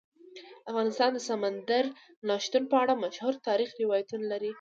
افغانستان د سمندر نه شتون په اړه مشهور تاریخی روایتونه لري.